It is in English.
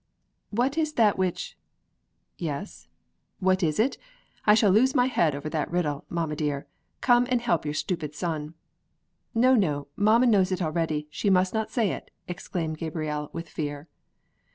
"What is that which " "Yes, what is it? I shall lose my head over that riddle. Mamma dear, come and help your stupid son!" "No, no! Mamma knows it already. She must not say it!" exclaimed Gabrielle with fear.